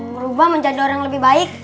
berubah menjadi orang yang lebih baik